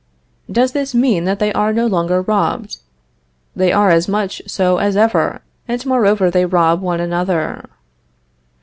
Does this mean that they are no longer robbed? They are as much so as ever, and moreover they rob one another.